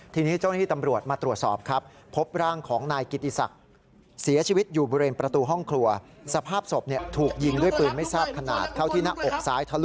ที่นี้เจ้าหน้าที่ตำรวจมาตรวจสอบครับ